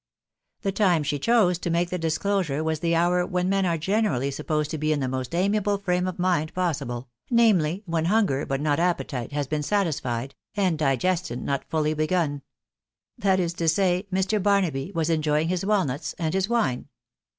The time she chose to make the disclosure was the hour when men are generally supposed to be in the most amiable frame of mind possible, namely, when hunger, but not appetite, has been satisfied, and digestion not fully begun ; that is to say, Mr. Barnahy was enjoying his walnuts and his wine.